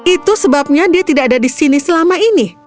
itu sebabnya dia tidak ada di sini selama ini